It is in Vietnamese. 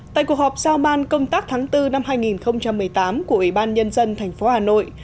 tại cuộc họp sao man công tác tháng bốn năm hai nghìn một mươi tám của ủy ban nhân dân thành phố hà nội